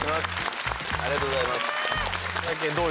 ありがとうございます。